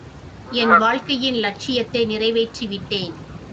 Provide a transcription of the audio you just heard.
என் வாழ்க்கையின் லட்சியத்தை நிறைவேற்றி விட்டேன்.